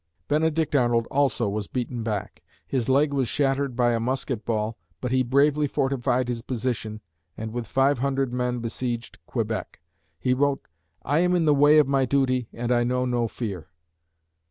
Benedict Arnold also was beaten back; his leg was shattered by a musket ball, but he bravely fortified his position and with five hundred men besieged Quebec. He wrote, "I am in the way of my duty and I know no fear."